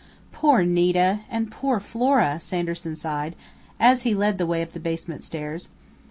"Poor Nita and poor Flora!" Sanderson sighed, as he led the way up the basement stairs.